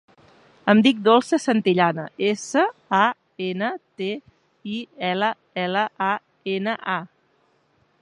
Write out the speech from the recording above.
Em dic Dolça Santillana: essa, a, ena, te, i, ela, ela, a, ena, a.